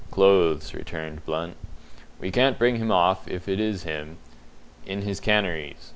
"Clothes," returned Blunt. "We can't bring him off, if it is him, in his canaries.